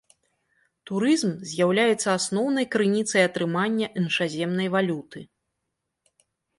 Турызм з'яўляецца асноўнай крыніцай атрымання іншаземнай валюты.